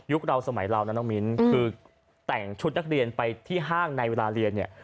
เราสมัยเรานะน้องมิ้นคือแต่งชุดนักเรียนไปที่ห้างในเวลาเรียนเนี่ย